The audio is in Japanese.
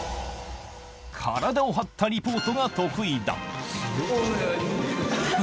体を張ったリポートが得意だ。